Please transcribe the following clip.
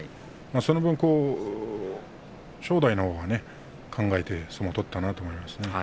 その分、正代のほうが考えて相撲を取ったなと思いました。